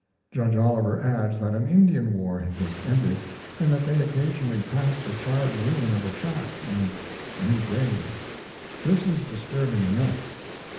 Judge Oliver adds that an Indian war had just ended, and that they occasionally passed the charred ruin of a shack, and new graves: This was disturbing enough.